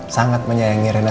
sangat menyayangi riana